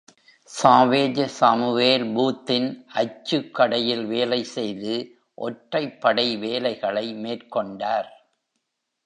Savage Samuel பூத்தின் அச்சு கடையில் வேலை செய்து ஒற்றைப்படை வேலைகளை மேற்கொண்டார்.